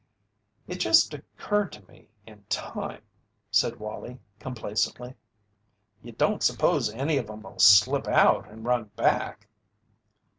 "It just occurred to me in time," said Wallie, complacently. "You don't s'pose any of 'em'll slip out and run back?"